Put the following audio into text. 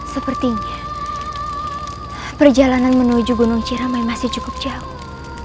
sepertinya perjalanan menuju gunung ciramai masih cukup jauh